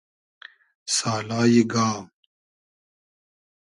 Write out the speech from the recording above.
سالای گا